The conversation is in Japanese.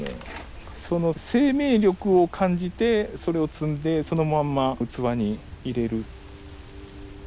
その生命力を感じてそれを摘んでそのまんま器に入れる。